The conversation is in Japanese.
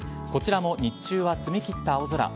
こちらも日中は澄み切った青空。